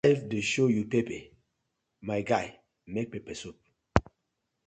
If life dey show you pepper, my guy make pepper soup.